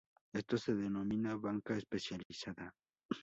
Esto se denomina banca especializada.